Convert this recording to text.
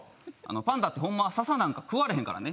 パンダってホンマはササなんか食われへんから。